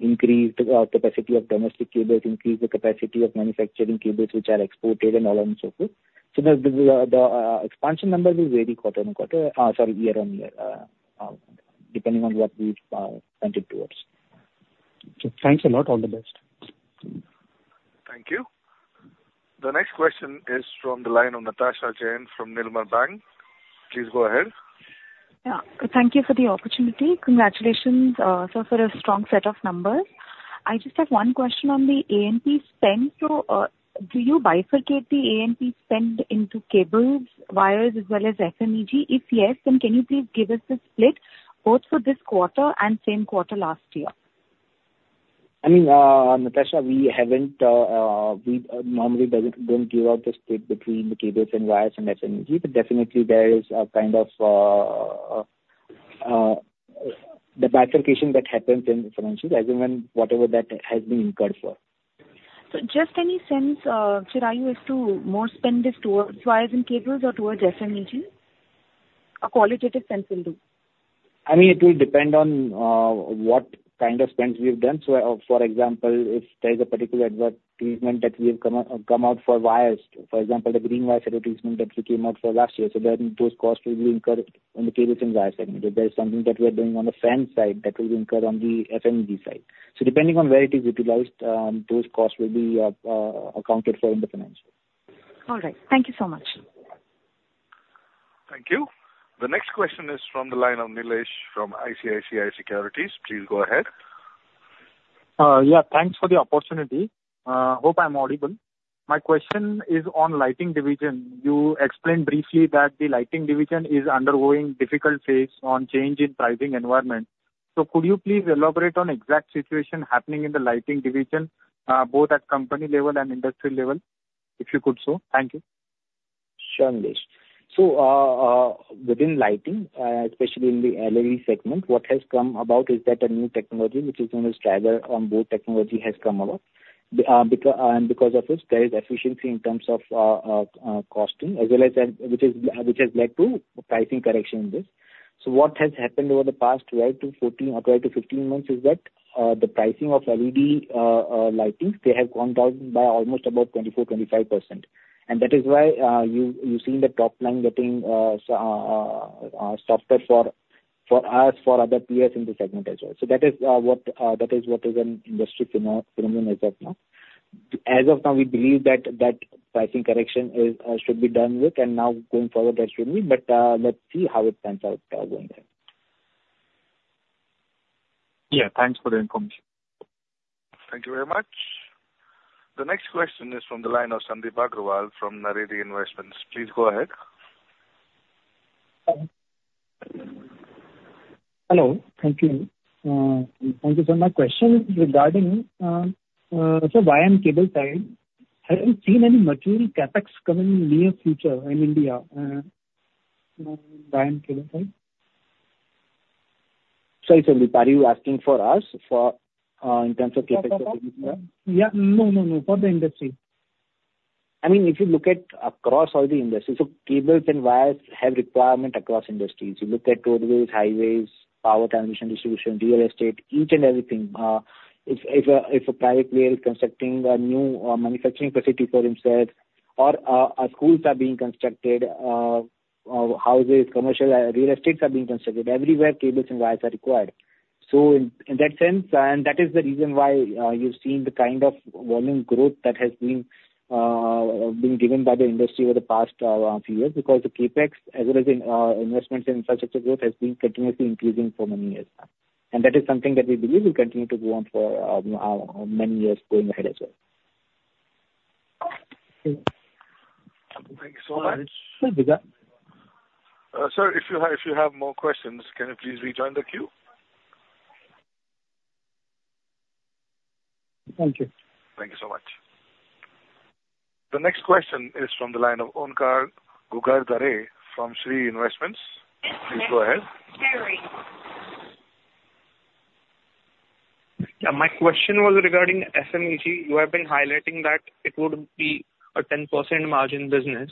increase the capacity of domestic cables, increase the capacity of manufacturing cables which are exported, and all and so forth. So the expansion numbers vary quarter-on-quarter, sorry, year-on-year, depending on what we spend it towards. Okay. Thanks a lot. All the best. Thank you. The next question is from the line of Natasha Jain from Nirmal Bang. Please go ahead. Yeah. Thank you for the opportunity. Congratulations, sir, for a strong set of numbers. I just have one question on the A&P spend. So, do you bifurcate the A&P spend into cables, wires, as well as FMEG? If yes, then can you please give us the split, both for this quarter and same quarter last year? I mean, Natasha, we haven't, we normally don't give out the split between the cables and wires and FMEG, but definitely there is a kind of, the bifurcation that happens in the financials, as and when whatever that has been incurred for. So just any sense, Chirayu, as to more spend is towards wires and cables or towards FMEG? A qualitative sense will do. I mean, it will depend on what kind of spends we have done. So, for example, if there is a particular adverse treatment that we have come out for wires, for example, the Green Wire treatment that we came out for last year, so then those costs will be incurred on the cables and wires segment. If there is something that we are doing on the fan side, that will incur on the FMEG side. So depending on where it is utilized, those costs will be accounted for in the financials. All right. Thank you so much. Thank you. The next question is from the line of Nilesh from ICICI Securities. Please go ahead. Yeah, thanks for the opportunity. Hope I'm audible. My question is on lighting division. You explained briefly that the lighting division is undergoing difficult phase on change in pricing environment. So could you please elaborate on exact situation happening in the lighting division, both at company level and industry level, if you could so? Thank you. Sure, Nilesh. So, within lighting, especially in the LED segment, what has come about is that a new technology, which is known as Driver on Board Technology, has come about. Because of this, there is efficiency in terms of costing, as well as then, which has led to pricing correction in this. So what has happened over the past 12-14 or 12-15 months is that the pricing of LED lightings has gone down by almost about 24%-25%. And that is why you've seen the top line getting softer for us, for other peers in the segment as well. So that is what is an industry phenomenon as of now. As of now, we believe that pricing correction is should be done with, and now going forward, that should be... But, let's see how it pans out, going ahead. Yeah, thanks for the information. Thank you very much. The next question is from the line of Sandeep Agarwal from Naredi Investments. Please go ahead. Hello. Thank you. Thank you, sir. My question is regarding, sir, wire and cable side. Have you seen any material CapEx coming in near future in India, wire and cable side? Sorry, Sandeep, are you asking for us in terms of CapEx? Yeah. No, no, no. For the industry. I mean, if you look at across all the industries, so cables and wires have requirement across industries. You look at roadways, highways, power transmission, distribution, real estate, each and everything. If a private player is constructing a new manufacturing facility for himself or schools are being constructed, houses, commercial real estates are being constructed, everywhere cables and wires are required. So in that sense, and that is the reason why, you've seen the kind of volume growth that has been being given by the industry over the past few years. Because the CapEx, as well as investments in infrastructure growth, has been continuously increasing for many years now. And that is something that we believe will continue to go on for many years going ahead as well. Thank you so much. Thank you, sir. Sir, if you have more questions, can you please rejoin the queue? Thank you. Thank you so much. The next question is from the line of Onkar Ghugardare from Shree Investments. Please go ahead. Yeah, my question was regarding FMEG. You have been highlighting that it would be a 10% margin business,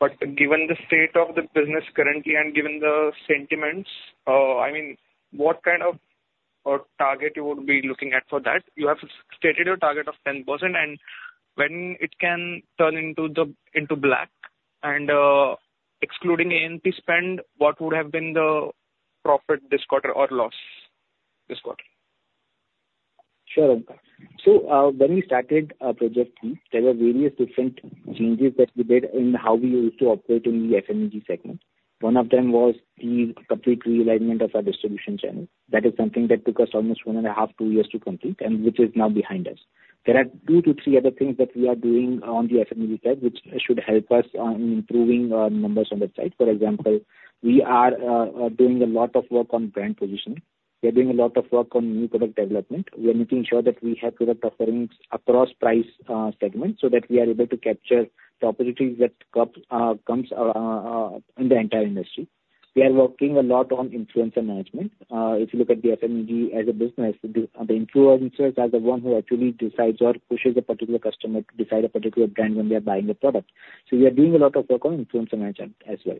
but given the state of the business currently and given the sentiments, I mean, what kind of a target you would be looking at for that? You have stated your target of 10%, and when it can turn into the, into black, and, excluding A&P spend, what would have been the profit this quarter or loss this quarter? Sure. So, when we started our Project Leap, there were various different changes that we made in how we used to operate in the FMEG segment. One of them was the complete realignment of our distribution channel. That is something that took us almost 1.5-2 years to complete and which is now behind us. There are 2-3 other things that we are doing on the FMEG side, which should help us on improving our numbers on that side. For example, we are doing a lot of work on brand positioning. We are doing a lot of work on new product development. We are making sure that we have product offerings across price segments, so that we are able to capture the opportunities that come in the entire industry. We are working a lot on influencer management. If you look at the FMEG as a business, the influencers are the one who actually decides or pushes a particular customer to decide a particular brand when they are buying a product. So we are doing a lot of work on influencer management as well.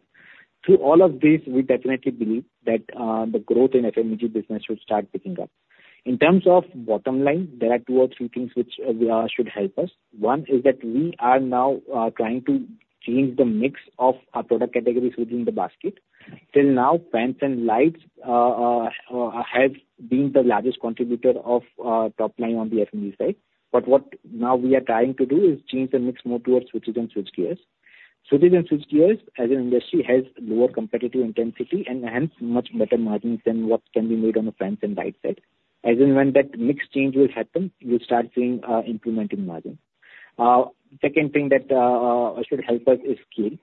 Through all of this, we definitely believe that the growth in FMEG business should start picking up. In terms of bottom line, there are two or three things which should help us. One is that we are now trying to change the mix of our product categories within the basket. Till now, fans and lights have been the largest contributor of top line on the FMEG side. But what now we are trying to do is change the mix more towards switches and switchgears. Switches and switchgears, as an industry, has lower competitive intensity and hence, much better margins than what can be made on the fans and light side. As and when that mix change will happen, you'll start seeing, improvement in margins. Second thing that, should help us is scale.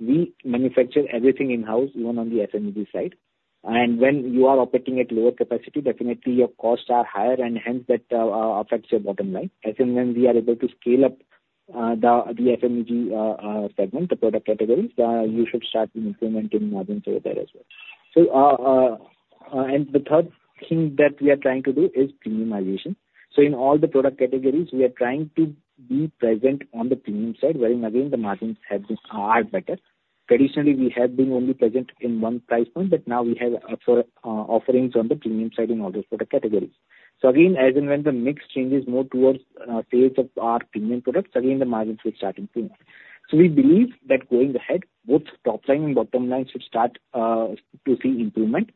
We manufacture everything in-house, even on the FMEG side, and when you are operating at lower capacity, definitely your costs are higher, and hence, that, affects your bottom line. As and when we are able to scale up, the, the FMEG, segment, the product categories, you should start seeing improvement in margins over there as well. So, and the third thing that we are trying to do is premiumization. So in all the product categories, we are trying to be present on the premium side, where again, the margins have been are better. Traditionally, we have been only present in one price point, but now we have offerings on the premium side in all those product categories. So again, as and when the mix changes more towards sales of our premium products, again, the margins will start improving. So we believe that going ahead, both top line and bottom line should start to see improvement,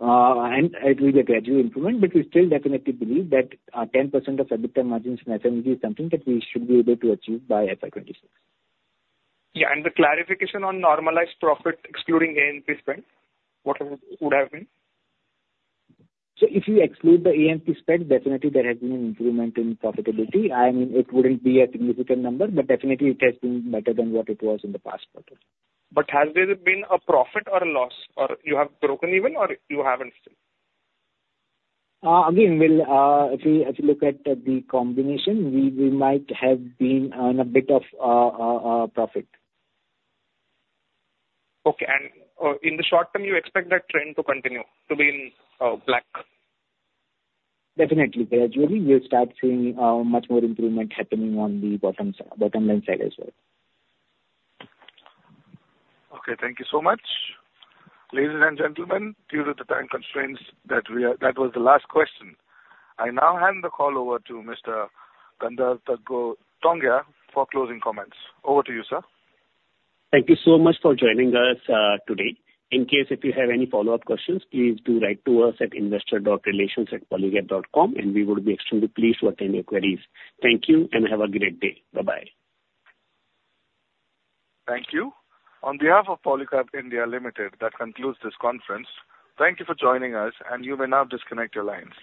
and it will be a gradual improvement, but we still definitely believe that 10% EBITDA margins in FMEG is something that we should be able to achieve by FY 2026. Yeah, and the clarification on normalized profit, excluding A&P spend, what would have been? If you exclude the A&P spend, definitely there has been an improvement in profitability. I mean, it wouldn't be a significant number, but definitely it has been better than what it was in the past quarter. But has there been a profit or a loss, or you have broken even, or you haven't still? Again, well, if you look at the combination, we might have been on a bit of profit. Okay. And, in the short term, you expect that trend to continue to be in, black? Definitely. Gradually, we'll start seeing, much more improvement happening on the bottom side, bottom line side as well. Okay, thank you so much. Ladies and gentlemen, due to the time constraints, that was the last question. I now hand the call over to Mr. Gandharv Tongia for closing comments. Over to you, sir. Thank you so much for joining us, today. In case if you have any follow-up questions, please do write to us at investor.relations@polycab.com, and we would be extremely pleased to attend your queries. Thank you and have a great day. Bye-bye. Thank you. On behalf of Polycab India Limited, that concludes this conference. Thank you for joining us, and you may now disconnect your lines.